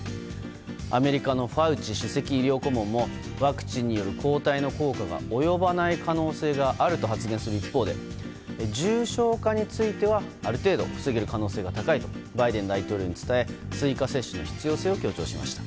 アメリカのファウチ首席医療顧問もワクチンによる抗体の効果が及ばない可能性があると発言する一方で重症化についてはある程度防げる可能性が高いとバイデン大統領に伝え追加接種の必要性を強調しました。